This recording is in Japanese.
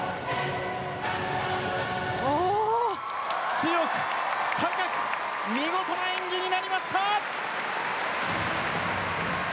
強く、高く見事な演技になりました！